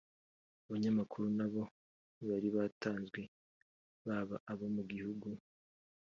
Abanyamakuru nab o ntibari batanzwe baba abo mu gihugu